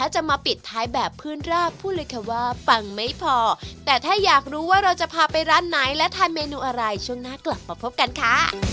ช่วงหน้ากลับมาพบกันค่ะ